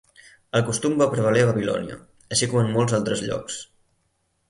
El costum va prevaler a Babilònia, així com en molts altres llocs.